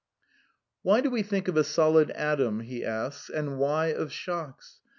" Why do we think of a solid atom and why of shocks?